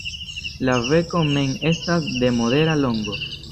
La beko mem estas de modera longo.